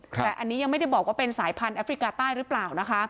แต่อันนี้ยังไม่ได้บอกว่าเป็นสายพันธุแอฟริกาใต้หรือเปล่านะคะ